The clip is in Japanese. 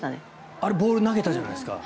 あれはボールを投げたじゃないですか。